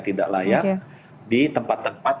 tidak layak di tempat tempat